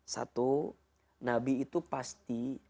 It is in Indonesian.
satu nabi itu pasti